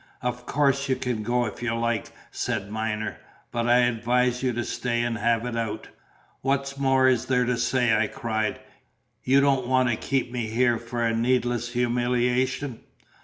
"Of course you can go if you like," said Myner; "but I advise you to stay and have it out." "What more is there to say?" I cried. "You don't want to keep me here for a needless humiliation?"